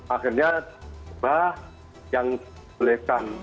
akhirnya bah yang bolehkah